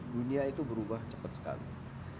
dunia itu berubah cepat sekali